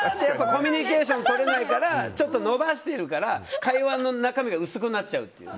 コミュニケーション取れないからちょっとのばしているから会話の中身が薄くなっちゃうという。